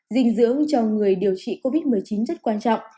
dinh dưỡng cho người điều trị covid một mươi chín rất quan trọng